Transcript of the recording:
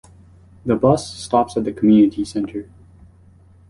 The bus stops at the community centre.